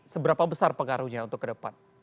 seberapa besar pengaruhnya untuk ke depan